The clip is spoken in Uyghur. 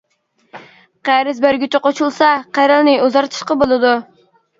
قەرز بەرگۈچى قوشۇلسا، قەرەلنى ئۇزارتىشقا بولىدۇ.